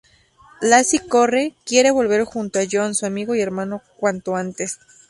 Lassie corre, quiere volver junto a John, su amigo y hermano, cuanto antes.